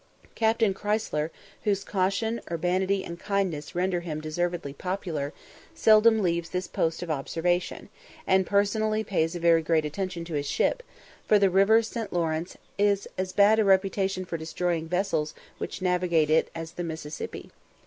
Captain Chrysler, whose caution, urbanity, and kindness render him deservedly popular, seldom leaves this post of observation, and personally pays very great attention to his ship; for the river St. Lawrence has as bad a reputation for destroying the vessels which navigate it as the Mississippi.